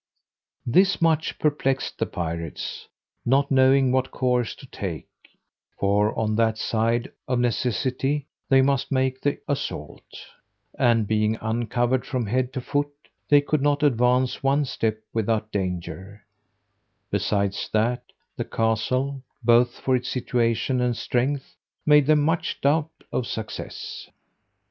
This much perplexed the pirates, not knowing what course to take; for on that side, of necessity, they must make the assault: and being uncovered from head to foot, they could not advance one step without danger: besides that, the castle, both for its situation and strength, made them much doubt of success.